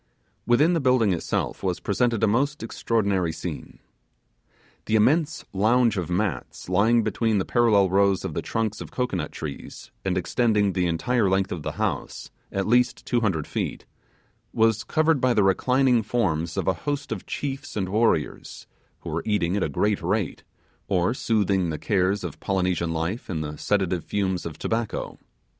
Within the building itself was presented a most extraordinary scene. The immense lounge of mats lying between the parallel rows of the trunks of cocoanut trees, and extending the entire length of the house, at least two hundred feet, was covered by the reclining forms of a host of chiefs and warriors who were eating at a great rate, or soothing the cares of Polynesian life in the sedative fumes of tobacco.